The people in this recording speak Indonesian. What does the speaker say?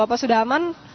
apa sudah aman